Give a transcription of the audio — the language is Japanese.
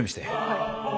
はい。